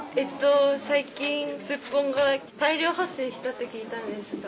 最近スッポンが大量発生したって聞いたんですが。